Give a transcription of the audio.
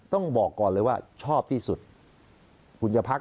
ต้องบอกก่อนเลยว่าชอบที่สุดคุณจะพัก